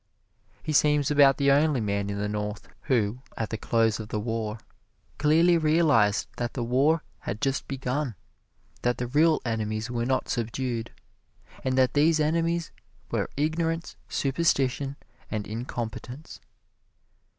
He seems about the only man in the North who, at the close of the war, clearly realized that the war had just begun that the real enemies were not subdued, and that these enemies were ignorance, superstition and incompetence.